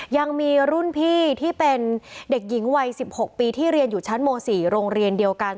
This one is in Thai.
ยังมีรุ่นพี่ที่เป็นเด็กหญิงวัย๑๖ปีที่เรียนอยู่ชั้นม๔โรงเรียนเดียวกัน